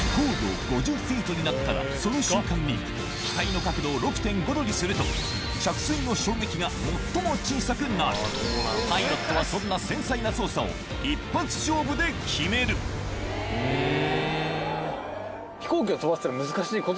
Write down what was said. になったらその瞬間に機体の角度を６．５度にすると着水の衝撃が最も小さくなるパイロットはそんな繊細な操作を一発勝負で決めるへぇ。